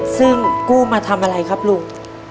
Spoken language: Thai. ซึ่งกู้มาทำอะไรครับลุง